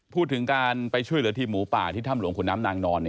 พูดถึงการไปช่วยเหลือทีมหมูป่าที่ถ้ำหลวงขุนน้ำนางนอน